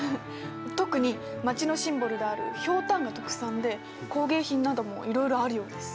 特に町のシンボルであるひょうたんが特産で工芸品などもいろいろあるようです。